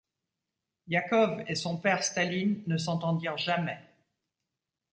Iakov et son père Staline ne s'entendirent jamais.